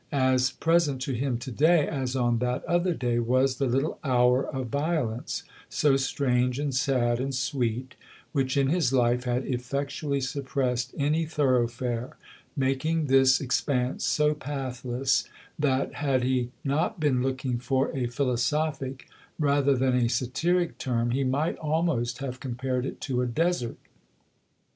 As present to him to day as on that other day was the little hour ot violence so strange and sad and sweet which in his life had effectually suppressed any thoroughfare, making this expanse so pathless that, had he not been looking for a philosophic rather than a satiric term, he might almost have compared it to a desert.